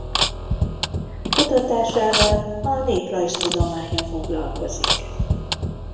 Kutatásával a néprajz tudománya foglalkozik.